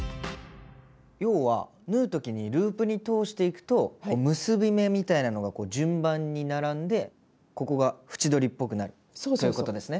要は縫う時にループに通していくとこう結び目みたいなのが順番に並んでここが縁取りっぽくなるということですね。